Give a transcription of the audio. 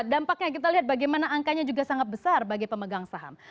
dampaknya kita lihat bagaimana angkanya juga sangat besar bagi pemegang saham